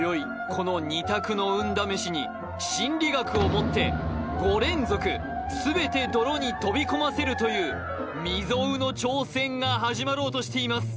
この２択の運試しに心理学をもって５連続全て泥に飛び込ませるという未曽有の挑戦が始まろうとしています